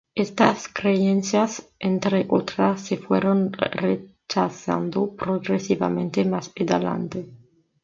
Estas creencias, entre otras, se fueron rechazando progresivamente más adelante.